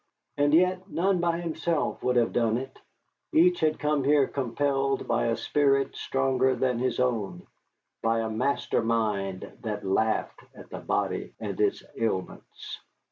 And yet none by himself would have done it each had come here compelled by a spirit stronger than his own, by a master mind that laughed at the body and its ailments.